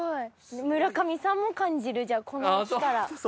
村上さんも感じるじゃあこの木から。